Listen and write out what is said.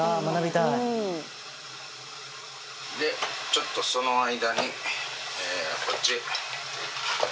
ちょっと、その間に、こっち。